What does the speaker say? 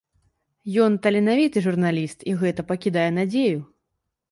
Ён таленавіты журналіст, і гэта пакідае надзею.